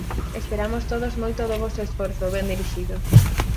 Esperamos todos moito do voso esforzo ben dirixido.